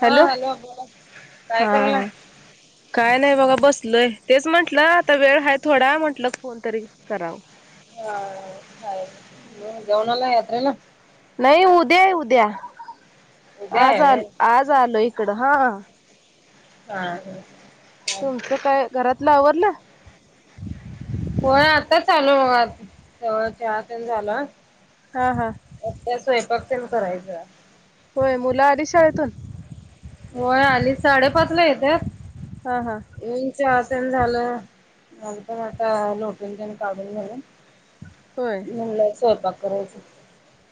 हा हॅलो बोला की काय हा करायलाय. काय नाही बघा बसलय तेच म्हंटलं आता वेळ हाय थोडा म्हंटल फोन तरी कराव. हा [unintelligible] जेवणाला यात्रेला. नाही उद्याये उद्या उद्या आज आहे होय आज आलो इकड हा. हा हा. तुमचं काय घरातलं आवरलं. होय आताच आलो बघा, चहा पिऊन झाला. हा हा. [unintelligible] होय मुलं आली शाळेतून? होय आली साडेपाच ला येतात. हा हा. [unintelligible] आम्ही पण आता लोटून तेन काढून झालं. होय. म्हटलं स्वयंपाक करायचा आहे.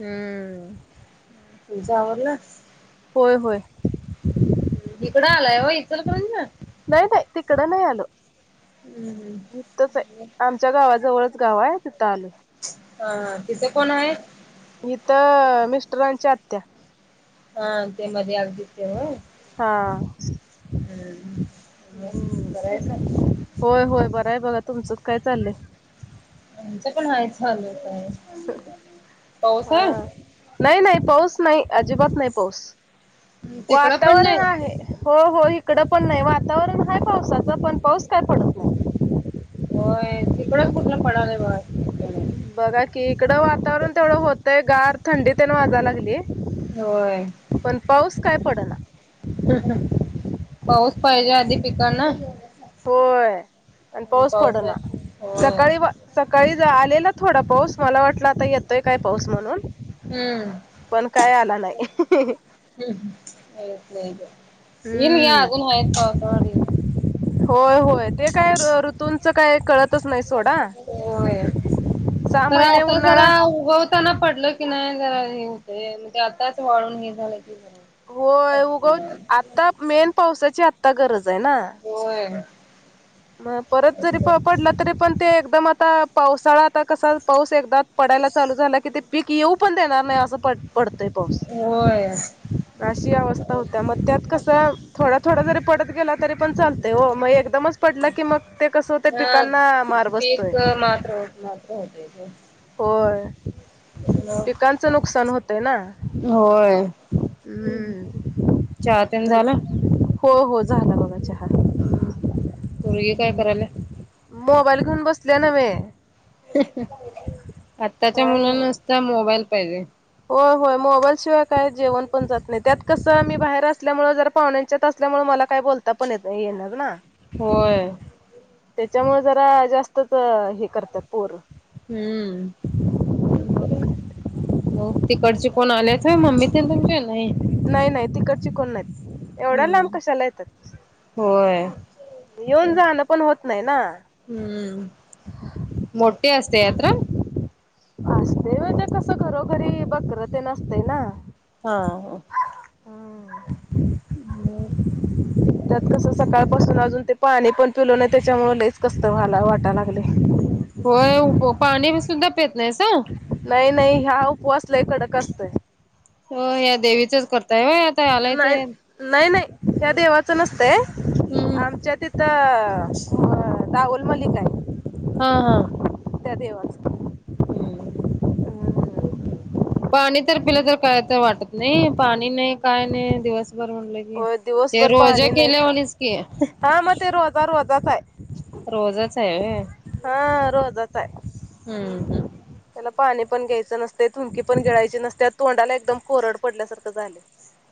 हम्म. तुमचं आवरलं? होय- होय. हिकडं आलाय व्हय इचलकरंजा. नाय बाय तिकडं नाय आलो. हम्म. हितचं हाय, हम्म आमच्या गावाजवळच गाव आहे तिथं आलोय. हा तिथं कोण आहे? इथं मिस्टरांची आत्या हा ते मध्ये आलतीत ते व्हय. हा. [inaudible] बरं आहे का होय होय बरं आहे बघा तुमचंच काय चालय. आमचं पण आहे चालूच आहे. पाऊस हा हाय? नाही नाही पाऊस नाही अजिबात नाही पाऊस तिकडं पण वातावरण नाही. आहे. हो हो इकडं पण नाही वातावरण हाय पावसाचा पण पाऊस काय पडत नाही. होय तिकडच कुठलं पडायलाय बघा की. [unintelligible] बघा कि इकडं वातावरण तेवढं होतय गार थंडी तेन वाजाय लागली. होय. पण पाऊस काय पडना. [unintelligible] पाऊस पाहिजे आधी पिकांना. होय आणि पाऊस पावसा पडना होय. सकाळी वा सकाळी आलेला थोडा पाऊस मला वाटला आता येतोय काय पाऊस म्हणून हम्म पण काय आला नाही हाहा. [inaudible] हम्म [unintelligible] होय -होय ते काय ऋतूच काय कळत होय सहा तर महिने आता उन्हाळा जरा उगवताना पडलंय कि नाही जरा हे होते म्हणजे आताच वळून निघालंय की काय. होय उगवत आता मेन पावसाची आता गरज आहे ना. होय. परत जरी प पडला तरी पण ते एकदम आता पावसाळा आता कसा पाऊस एकदा पडायला चालू झालं की ते पीक येऊ पण देणार नाही असं प पडतोय पाऊस होय. अशी अवस्था होतेय मग त्यात कस थोडा -थोडा जरी पडत गेला तरी पण चालतय ओ मग एकदमच पडला की मग ते कसं त्या पिकांना मार बसतोय. मा [unintelligible] हो [unintelligible] होय पिकांचं नुकसान होतंय ना. होय चहा तीन झाला. हो -हो झाला बाबा चहा. हम्म पोरगी काय करायला. मोबाईल घेवुन बसले नव्हे. आत्ताच्या काय मुलांना नव्ह नुसता मोबाईल पाहिजे. होय -होय मोबाईल शिवाय काय जेवण पण जात नाही त्यात कसं आम्ही बाहेर असल्यामुळे जर पाहुण्यांच्यात असल्यामुळ मला काय बोलता पण येत नाही येणार ना. होयं त्यांच्यामुळे जरां जास्तंचं हे करतांत पोरं हम्मं काय मंग तिकडंचे कोणं आल्यांत मम्मी ते तुमं नाहीं नाहीं नाहीं तिकडंची कोणं नाहींत एवढां लांब कशांला येतांत होयं येऊंन जाणं पणं होतं नाहीं नां हम्मं मोठे असते यांत्रा असते म्हणजे कसं घरोघरी बँकर तेन असतंय नां हां त्यांत कसं सकाळंपासून अजूंन ते पाणी पणं पिलो नाहीं त्यांच्यामुळे लयंच कसं तरं वाटां लागलंय होयं पाणी सुद्धां पेतं नाहींसा नाहीं नाहीं हां उपवांस लंय कंडक असतोय हो ह्यां देवीचंच करतांय बरं नाहीं नाहीं नाहीं त्यां देवाचं नसतंय हम्मं आमच्या तिथं दाऊंल मलिक हायं हां हां त्यां देवाचं हम्मं हम्मं हम्मं पाणी तरं पिलां तरं कायं तरं वाटतं नाहीं पाणी नाहीं कायं नाहीं दिवसंभर म्हणलं हो ते रोज केल्यां वाणीचं की हां मं ते रोज ती चां रोजां चं हांय रोजां चं आहे होयं हां रोजां चं हांय हम्म हम्म त्यांला पाणी पणं घ्यायचं नसतंय थुमकी पणं गिळांयची नसते तोंडाला एकदंम कोरडं पडल्यांसारखं झालं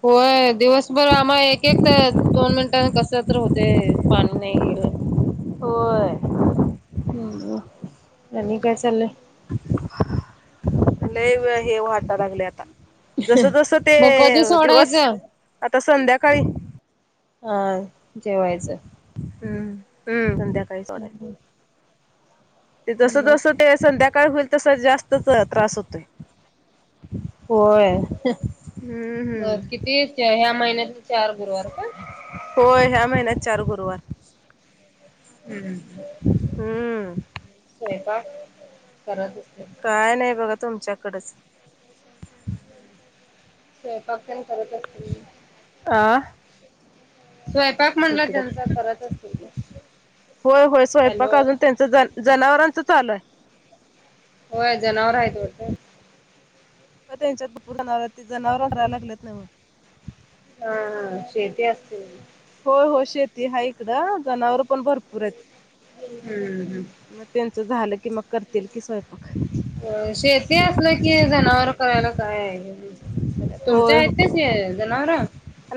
होयं दिवसंभर आम्हां एक एक तरं दोन मिनिटां कसं तरं होते पाणी नाहीं येरलं होयं आणि कायं चाललंय लंय हे वांटाया लागलंय आंता जसं जसं ते मग कधी दिवसं सोडायचं आंता संध्याकांळी हां जेवायचं हम्मं हम्मं संध्याकांळी सोडायचं ते जसं मग जसं ते संध्याकांळ होईल तसं जास्तं चं त्रासं होतोय होयं हम्म हम्म किती ह्यां महिन्यांत चार गुरुवार कां होयं ह्यां महिन्यांत चार गुरुवार हम्मं हम्मं हेपां करतं कायं नाहीं बघां तुमच्यांकडेचं स्वयंपाक तेन करत असतील. आ, स्वयंपाक म्हणला त्यांचा करत असतील की, होय होय स्वयंपाक हॅलो अजून त्यांच ज जनावरांच चालू आहे. होय जनावर आहेत वाटतं. होय त्यांच्यातुपरवरात ते जनावर राहाला लागल्यात नाव. हा हा, शेती असते. हो हो, शेती हाय इकडं जनावर पण भरपूर आहेत. हम्म, मग त्यांच झालं की, मग करतील कि, स्वयंपाक. होय शेती असलं कि, जनावर. करायला काय आहे तुमच्या होय आहेतच जनावरवर.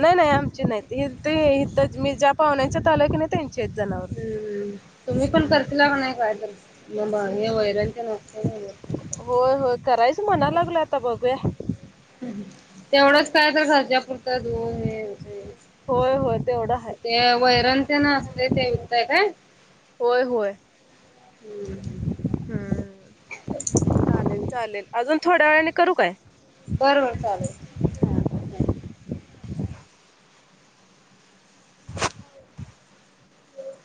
नाही नाही आमची नाही इथे हितच मी जा पाहुण्यांच्या आलोय की नाही त्यांचे जणव''--'' हम हम, तुम्ही पण करशील का नाय काय तर म हे वैर्यांच्या तेन नुकसान. होय होय करायच म्हणायला लागल आता बघूया. तेवढंच काय तर घरच्या पुुरत दूध हे होतय. होय होय तेवढं हाय. ते वैरण तेन असते ते विकताय काय. होय होय. हम्म हम्म, चालेल चालेल अजून थोड्या वेळाने करू काय. बरबर चालेल.